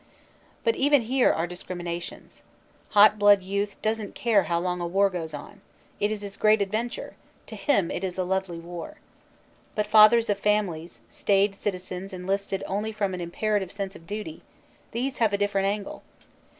But even here are discriminations. Hot blood youth doesn t care how long the war goes on ; it is his great adventure ; to him it is "a lovely war." But fathers of families, staid citizens enlisted only from an imperative sense of duty; these have a different angle.